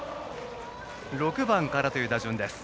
６番からという打順です。